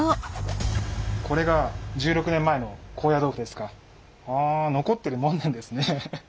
これが１６年前の高野豆腐ですか。はあ残ってるものなんですね。